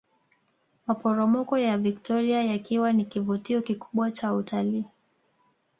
Maporomoko ya Viktoria yakiwa ni kivutio kikubwa cha utalii